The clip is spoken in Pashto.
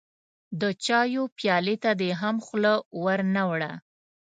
د چايو پيالې ته دې هم خوله ور نه وړه.